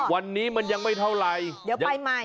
วันนี้มันยังไม่เท่าไหร่เดี๋ยวไปใหม่